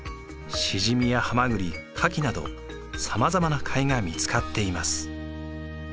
シジミやハマグリカキなどさまざまな貝が見つかっています。